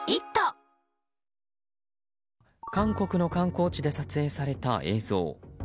韓国の観光地で撮影された映像。